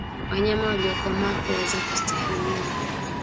Wanyama waliokomaa huweza kustahimili